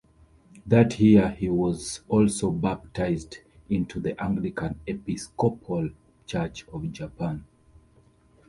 That year he was also baptized into the Anglican-Episcopal Church of Japan.